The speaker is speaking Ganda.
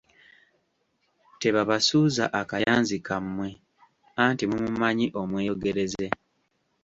Tebabasuuza akayanzi kammwe, anti mumumanyi omweyogereze!